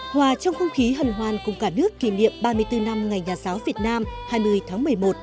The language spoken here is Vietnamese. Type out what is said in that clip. hòa trong không khí hần hoàn cùng cả nước kỷ niệm ba mươi bốn năm ngày nhà giáo việt nam hai mươi tháng một mươi một